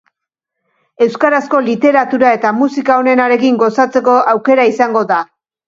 Euskarazko literatura eta musika onenarekin gozatzeko aukera izango da.